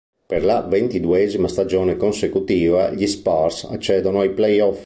Per la ventiduesima stagione consecutiva gli Spurs accedono ai playoff.